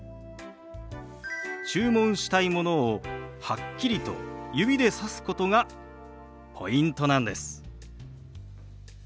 注文したいものをはっきりと指でさすことがポイントなんです。